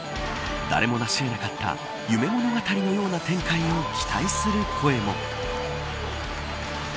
誰もなし得なかった夢物語のような展開を期待する声も。